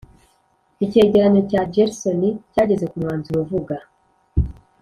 icyegeranyo cya gersony cyageze ku mwanzuro uvuga.